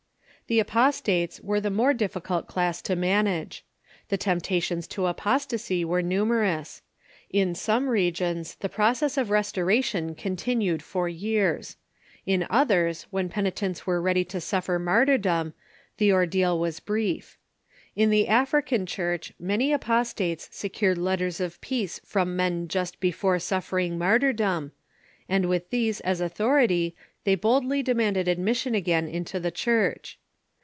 The apostates were the more difficult class to manage. The temptations to apostasy were numerous. In some re gions the process of restoration continued for years. In oth ers, when penitents were ready to suffer martyrdom, the ordeal was brief. In the African Church many apostates secured letters of peace from men just before suffering martyrdom, and with these as authority the}'" boldly demanded admission again into the Church.